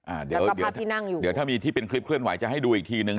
อ่าเดี๋ยวเดี๋ยวที่นั่งอยู่เดี๋ยวถ้ามีที่เป็นคลิปเคลื่อนไหวจะให้ดูอีกทีนึง